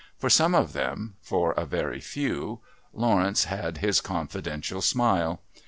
For some of them for a very few Lawrence had his confidential smile.